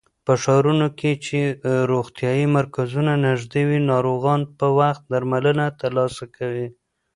په ښارونو کې چې روغتيايي مرکزونه نږدې وي، ناروغان په وخت درملنه ترلاسه کوي.